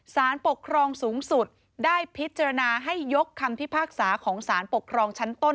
สารปกครองสูงสุดได้พิจารณาให้ยกคำพิพากษาของสารปกครองชั้นต้น